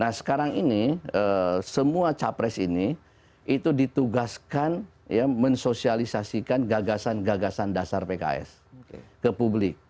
nah sekarang ini semua capres ini itu ditugaskan ya mensosialisasikan gagasan gagasan dasar pks ke publik